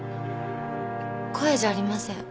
声じゃありません。